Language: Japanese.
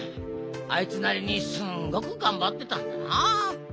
あいつなりにすんごくがんばってたんだな。